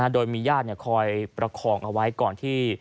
โดยมีญาติคอยประคองเอาไว้ก่อนที่